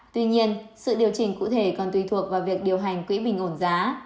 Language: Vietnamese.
tuy nhiên sự điều chỉnh cụ thể còn tùy thuộc vào việc điều hành quỹ bình ổn giá